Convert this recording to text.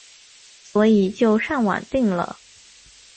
所以就上网订了